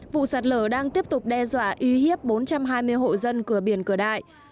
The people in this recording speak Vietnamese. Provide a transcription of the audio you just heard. vụ sạt lở đang tiếp tục đe dọa uy hiếp bốn trăm hai mươi hộ dân cửa biển cửa đại